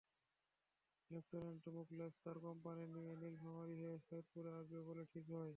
Lieutenant Mokhles তার company নিয়ে নীলফামারী হয়ে সৈয়দপুরে আসবে বলে ঠিক হয়।